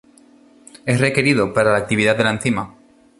Es requerido para la actividad de la enzima.